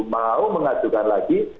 mau mengajukan lagi